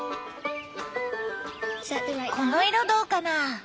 この色どうかな？